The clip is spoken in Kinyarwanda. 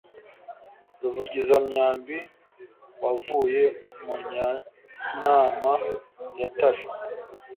ruvugizamyambi wavuye mu nyanama ya tare,